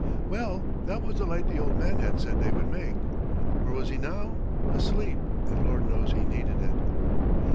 Well, that was the light the old man had said they would make. Where was he now? Asleep, and Lord knows he needed it.